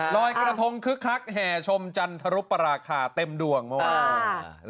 รอยกระทงคึกคักแห่ชมจันทรุปราคาเต็มดวงเมื่อวาน